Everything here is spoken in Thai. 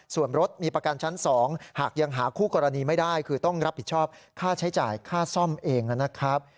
ส่วนรถมีประกันชั้น๒หากยังหาคู่กรณีไม่ได้คือต้องรับผิดชอบค่าใช้จ่ายค่าซ่อมเองนะครับ